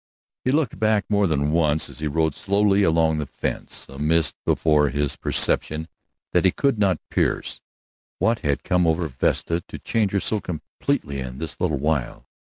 He looked back more than once as he rode slowly along the fence, a mist before his perception that he could not pierce. What had come over Vesta to change her so completely in this little while?